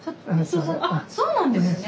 あそうなんですね。